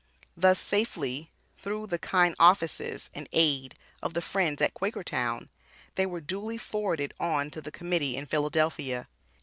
Thus safely, through the kind offices and aid of the friends at Quakertown, they were duly forwarded on to the Committee in Philadelphia.